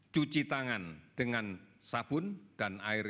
cuci tangan dengan sabun dan air